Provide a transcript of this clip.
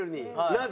なぜ？